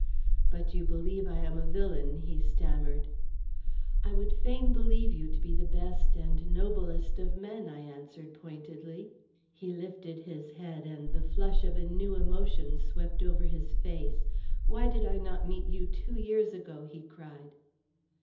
"But you believe I am a villain," he stammered. "I would fain believe you to be the best and noblest of men," I answered, pointedly. He lifted his head, and the flush of a new emotion swept over his face. "Why did I not meet you two years ago?" he cried.